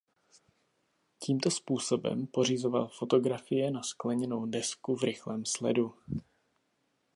Tímto způsobem pořizoval fotografie na skleněnou desku v rychlém sledu.